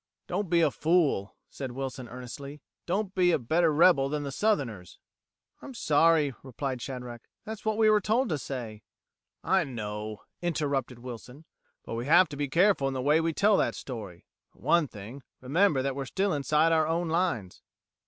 "Don't be a fool," said Wilson earnestly, "Don't be a better rebel than the Southerners." "I'm sorry," replied Shadrack. "That's what we were told to say...." "I know," interrupted Wilson, "but we have to be careful in the way we tell that story. For one thing, remember that we're still inside our own lines."